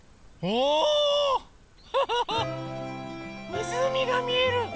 みずうみがみえる！